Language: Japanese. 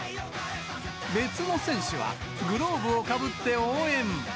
別の選手は、グローブをかぶって応援。